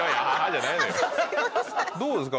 どうですか？